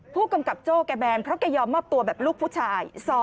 ผู้กำกับโจ้แกแบนเพราะแกยอมมอบตัวแบบลูกผู้ชาย